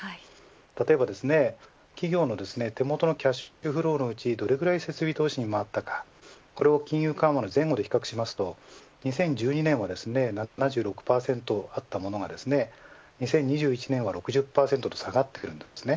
例えば、企業の手元のキャッシュフローのうちどれだけ設備投資に回ったかこれを金融緩和の前後で比較すると２０１２年は７６％あったものが２０２１年は６０％と下がっています。